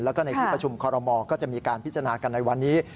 แล้วก็ในที่ประชุมคอรมอก็จะมีการพิจารณากันในวันนี้